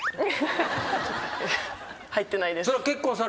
入ってないです。